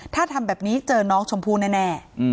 ถ้าทำแบบนี้เจอน้องชมพู่แน่